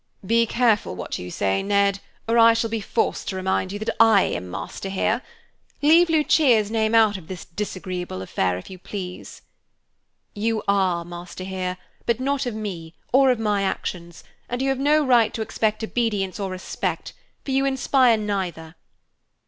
"Be careful what you say, Ned, or I shall be forced to remind you that I am master here. Leave Lucia's name out of this disagreeable affair, if you please." "You are master here, but not of me, or my actions, and you have no right to expect obedience or respect, for you inspire neither.